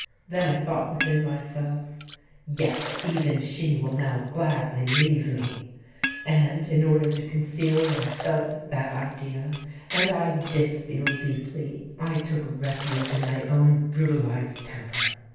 Then I thought within myself, 'Yes, even she will now gladly leave me;'—and, in order to conceal what I felt at that idea—and I did feel deeply—I took refuge in my own brutalized temper.